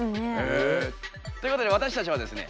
ええ。ということで私たちはですね